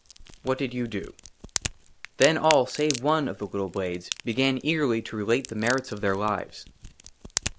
" WHAT DID YOU DO ?" THEN ALL SAVE ONE OF THE LITTLE BLADES BEGAN EAGERLY TO RELATE THE MERITS OF THEIR LIVES.